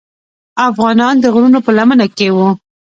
افغانان د غرونو په لمنو کې وو.